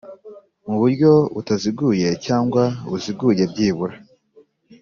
Muburyo butaziguye cyangwa buziguye byibura